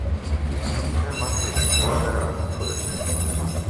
তিনি তাঁর মাথায় খোয়া দ্বারা আঘাত করেছিলেন।